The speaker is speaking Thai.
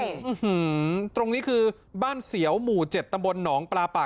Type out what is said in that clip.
อื้อหือตรงนี้คือบ้านเสียวหมู่เจ็ดตำบลหนองปลาปาก